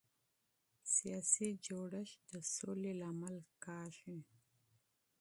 سیاسي ثبات د امنیت سبب ګرځي